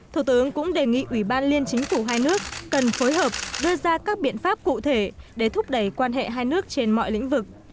thủ tướng cũng đề nghị ủy ban liên chính phủ hai nước cần phối hợp đưa ra các biện pháp cụ thể để thúc đẩy quan hệ hai nước trên mọi lĩnh vực